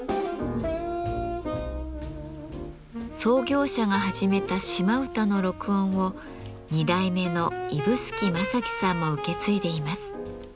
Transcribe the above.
創業者が始めた島唄の録音を２代目の指宿正樹さんも受け継いでいます。